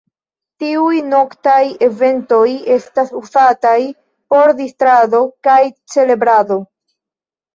Tiuj noktaj eventoj estas uzataj por distrado kaj celebrado.